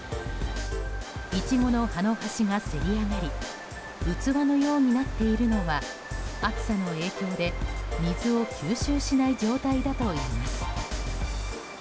イチゴの葉の端がせり上がり器のようになっているのは暑さの影響で水を吸収しない状態だといいます。